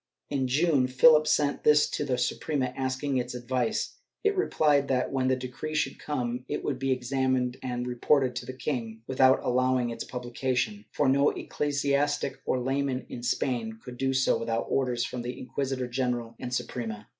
In June, Philip sent this to the Suprema, asking its advice. It replied that, when the decree should come, it would be examined and reported to the king with out allowing its publication, for no ecclesiastic or layman in Spain could do so without orders from the Inquisitor general and Su prema.